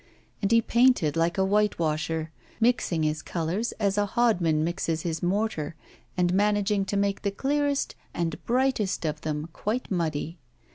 And he painted like a whitewasher, mixing his colours as a hodman mixes his mortar, and managing to make the clearest and brightest of them quite muddy.